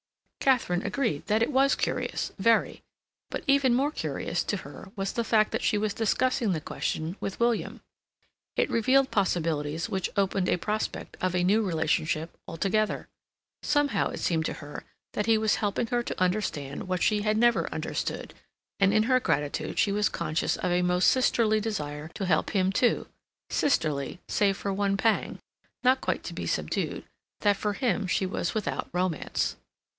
Katharine agreed that it was curious—very; but even more curious to her was the fact that she was discussing the question with William. It revealed possibilities which opened a prospect of a new relationship altogether. Somehow it seemed to her that he was helping her to understand what she had never understood; and in her gratitude she was conscious of a most sisterly desire to help him, too—sisterly, save for one pang, not quite to be subdued, that for him she was without romance.